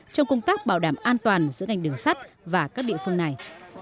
trong công tác bảo đảm an toàn giữa ngành đường sắt và các địa phương này